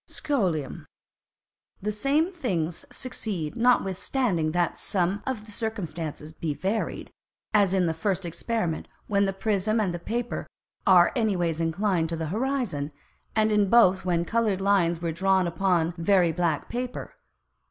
Scholium. The same Things succeed, notwithstanding that some of the Circumstances be varied; as in the first Experiment when the Prism and Paper are any ways inclined to the Horizon, and in both when coloured Lines are drawn upon very black Paper.